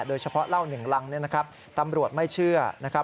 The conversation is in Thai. โดยเฉพาะเหล้าหนึ่งรังเนี่ยนะครับตำรวจไม่เชื่อนะครับ